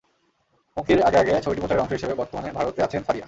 মুক্তির আগে আগে ছবিটির প্রচারের অংশ হিসেবে বর্তমানে ভারতে আছেন ফারিয়া।